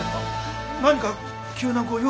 何か急なご用でも？